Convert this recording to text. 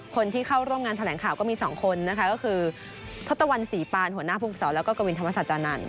คนที่เข้าร่วมงานแถลงข่าวก็มี๒คนนะคะก็คือทศตวรรณศรีปานหัวหน้าภูมิสอนแล้วก็กวินธรรมศาจานันท